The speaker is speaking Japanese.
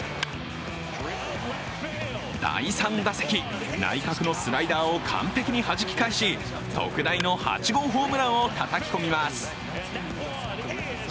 第３打席、内角のスライダーを完璧にはじき返し特大の８号ホームランをたたき込みます。